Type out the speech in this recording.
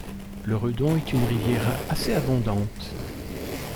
Le Redon est une rivière assez abondante.